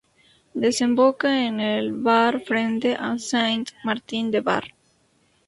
Desemboca en el Var frente a Saint-Martin-de-Var.